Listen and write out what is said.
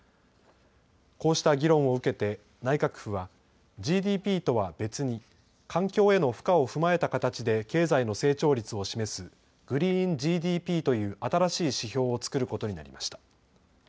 こうした議論を受けて内閣府はＧＤＰとは別に環境への負荷を踏まえた形で経済の成長率を示すグリーンＧＤＰという新しい指標を作ることになりました。